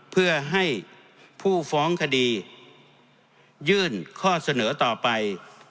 เพื่อให้ผู้ฟ้องคดียื่นข้อเสนอต่อไป